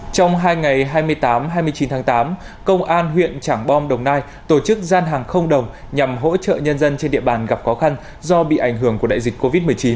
trong hai ngày hai mươi tám hai mươi chín tháng tám công an huyện trảng bom đồng nai tổ chức gian hàng không đồng nhằm hỗ trợ nhân dân trên địa bàn gặp khó khăn do bị ảnh hưởng của đại dịch covid một mươi chín